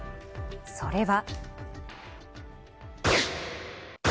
それは。